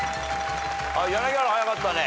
柳原早かったね。